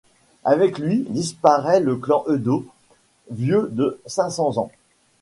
Avec lui disparaît le clan Edo, vieux de cinq cents ans.